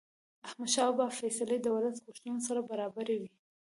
احمدشاه بابا فیصلې د ولس د غوښتنو سره برابرې وې.